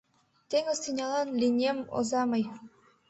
Теҥыз тӱнялан лийнем оза мый.